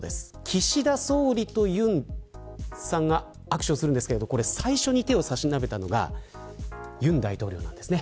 岸田総理と尹大統領が握手をするんですが最初に手を差し伸べたのが尹大統領なんですね。